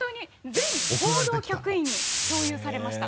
全報道局員に共有されました。